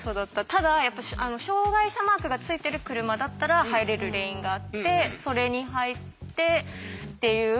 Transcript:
ただやっぱり障害者マークがついてる車だったら入れるレーンがあってそれに入ってっていう。